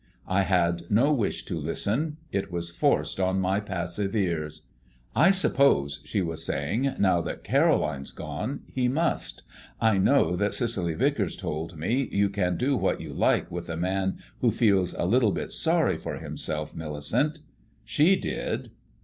I had no wish to listen; it was forced on my passive ears. "I suppose," she was saying, "now that Caroline's gone, he must. I know that Cicely Vicars told me you can do what you like with a man who feels a little bit sorry for himself, Millicent. _She did.